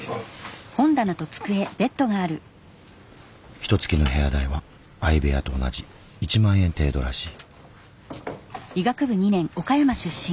ひとつきの部屋代は相部屋と同じ１万円程度らしい。